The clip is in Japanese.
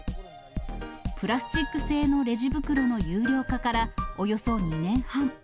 プラスチック製のレジ袋の有料化からおよそ２年半。